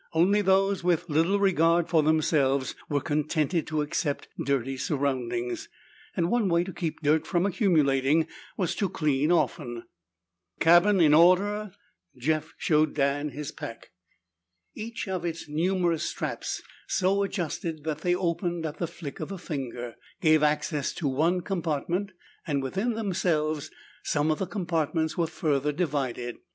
Only those with little regard for themselves were contented to accept dirty surroundings, and one way to keep dirt from accumulating was to clean often. The cabin in order, Jeff showed Dan his pack. Each of its numerous straps, so adjusted that they opened at the flick of a finger, gave access to one compartment, and within themselves some of the compartments were further divided.